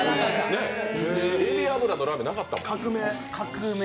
えび油のラーメン、なかったもん。